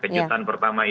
kejutan pertama ini